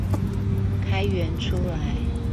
開源出來